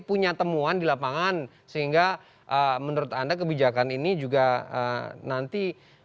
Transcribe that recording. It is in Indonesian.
punya temuan di lapangan sehingga menurut anda kebijakan ini juga nanti